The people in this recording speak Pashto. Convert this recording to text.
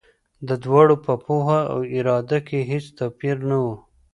د دواړو په پوهه او اراده کې هېڅ توپیر نه و.